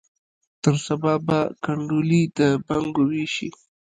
تر سبا به کنډولي د بنګو ویشي